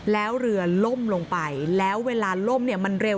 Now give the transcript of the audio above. แล้วเรือล่มลงไปแล้วเวลาล่มเนี่ยมันเร็ว